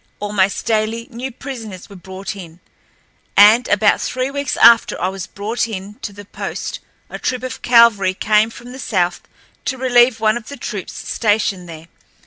Almost daily new prisoners were brought in, and about three weeks after I was brought in to the post a troop of cavalry came from the south to relieve one of the troops stationed there.